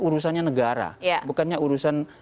urusannya negara bukannya urusan